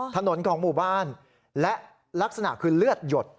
ถนนของหมู่บ้านและลักษณะคือเลือดหยด